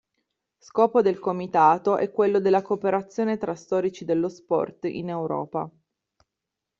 Scopo del Comitato è quello della cooperazione tra storici dello sport in Europa.